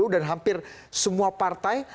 dan hampir semua partai